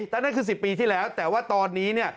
นั่นคือ๑๐ปีที่แล้วแต่ว่าตอนนี้เนี่ย